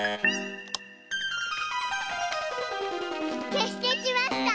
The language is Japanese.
けしてきました。